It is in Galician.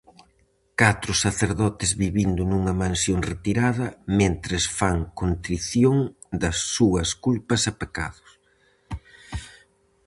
Catro sacerdotes vivindo nunha mansión retirada, mentres fan contrición das súas culpas e pecados.